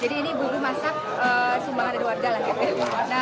jadi ini buru masak sumbangan dari warga lah